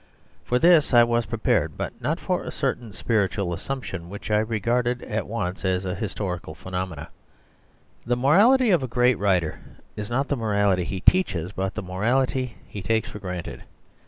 For this I was prepared; but not for a certain spiritual assumption which I recognised at once as a historical phe nomenon.. The morality of a great writer is not the morality he teaches, but the morality he takes for granted.